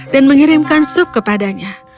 dan mengirimkan sup kepadanya